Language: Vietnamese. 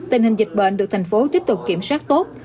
tình hình dịch bệnh được thành phố tiếp tục kiểm soát tốt